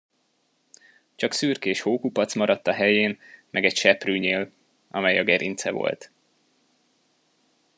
Csak szürkés hókupac maradt a helyén meg egy seprűnyél, amely a gerince volt.